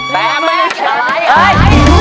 แต่ไม่มีเกี่ยวอะไร